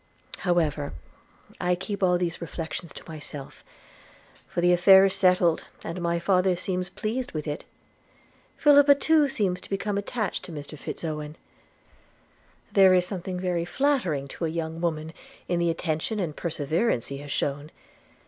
However, I keep all these reflections to myself; for the affair is settled, and my father seems pleased with it. Philippa too seems to become attached to Mr Fitz Owen. There is something very flattering to a young woman in the attention and perseverance he has shewn.